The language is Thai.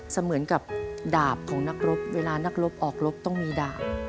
เสมือนกับดาบของนักรบเวลานักรบออกรบต้องมีดาบ